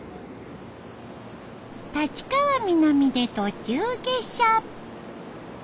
立川南で途中下車。